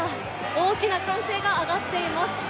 大きな歓声が上がっています。